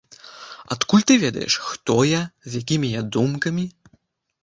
Адкуль ты ведаеш, хто я, з якімі я думкамі?